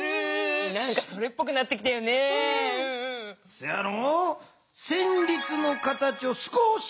せやろ？